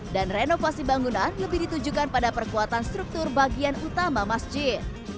dan renovasi bangunan lebih ditujukan pada perkuatan struktur bagian utama masjid